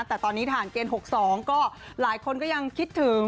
แต่ตอนนี้ผ่านเกณฑ์๖๒ก็หลายคนก็ยังคิดถึง